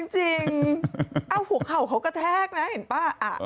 หัวเข่าเขากระแทกนะเห็นป่ะ